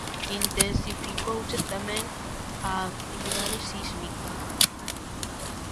Intensificouse tamén a actividade sísmica.